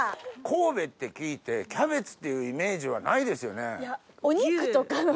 神戸って聞いてキャベツっていうイメージはないですよね。